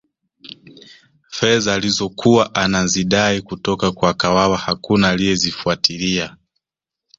fedha alizokuwa anazidai kutoka kwa kawawa hakuna aliyezifuatilia